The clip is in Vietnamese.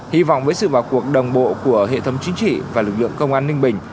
hy vọng với sự vào cuộc đồng bộ của hệ thống chính trị và lực lượng công an ninh bình